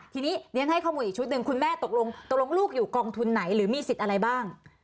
ทีนี้เรียนให้ข้อมูลอีกชุดหนึ่งคุณแม่ตกลงตกลงลูกอยู่กองทุนไหนหรือมีสิทธิ์อะไรบ้าง